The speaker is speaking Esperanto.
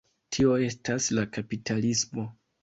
Tio estas la kapitalismo.